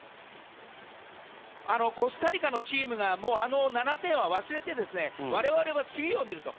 コスタリカのチームが７点は忘れて、我々は次を見ると。